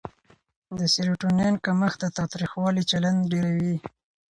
د سېرټونین کمښت د تاوتریخوالي چلند ډېروي.